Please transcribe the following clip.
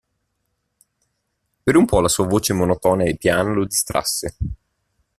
Per un po' la sua voce monotona e piana lo distrasse.